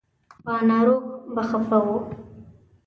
په ناروغ به خفه و.